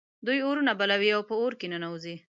دوی اورونه بلوي او په اور کې ننوزي.